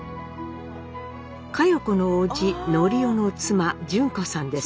佳代子の叔父教夫の妻純子さんです。